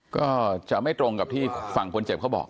ก็จะไม่ตรงกับที่ฝั่งคนเจ็บเขาบอก